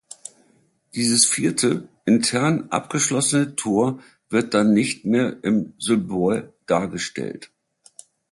Dieses vierte, intern abgeschlossene Tor wird dann nicht mehr im Symbol dargestellt.